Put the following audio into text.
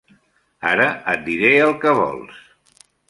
Ara et diré el que vols.